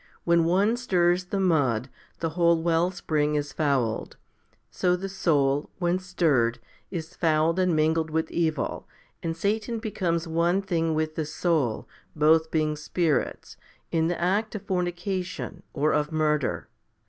When one stirs the mud, the whole well spring is fouled. So the soul, when stirred, is fouled 134 HOMILY XVI 135 and mingled with evil, and Satan becomes one thing with the soul, both being spirits, in the act of fornication or of murder.